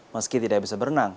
meski tidak bisa berenang